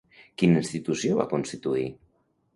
Quina institució va constituir?